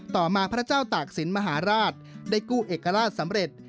ต่อมาพระเจ้าตากศิลปมหาราชได้กู้เอกราชสำเร็จ